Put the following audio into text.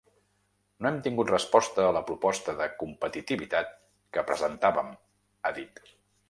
No hem tingut resposta a la proposta de competitivitat que presentàvem, ha dit.